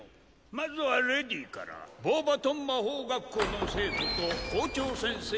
まずはレディーからボーバトン魔法学校の生徒と校長先生